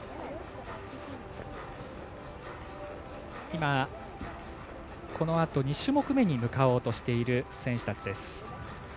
今、このあと２種目めに向かおうとしている選手たちです。